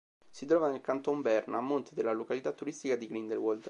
Si trova nel Canton Berna a monte della località turistica di Grindelwald.